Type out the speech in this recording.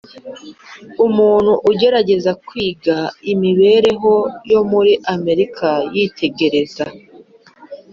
Umuntu ugerageza kwiga imibereho yo muri Amerika yitegereza